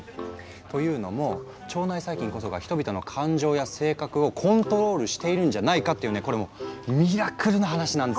というのも腸内細菌こそが人々の感情や性格をコントロールしているんじゃないかっていうねこれもうミラクルな話なんですよ。